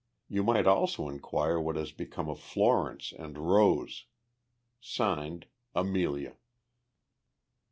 You might also inquire what has become of Florence and Rose. (Signed) AMELIA.